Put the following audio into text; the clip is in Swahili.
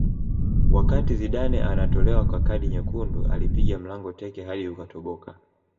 wakati zidane anatolewa kwa kadi nyekundu alipiga mlango teke hadi ukatoboka